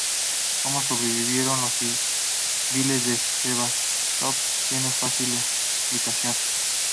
Cómo sobrevivieron los civiles de Sebastopol tiene fácil explicación.